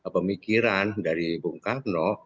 pemikiran dari bung karno